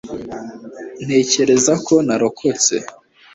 ntekereza ko narokotse